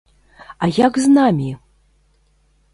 А як з намі?